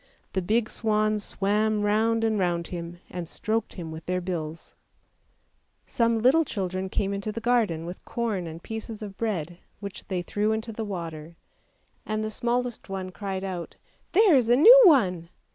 The big swans swam round and round him, and stroked him with their bills. 392 ANDERSEN'S FAIRY TALES Some little children came into the garden with corn and pieces of bread, which they threw into the water; and the smallest one cried out: 'There is a new one!"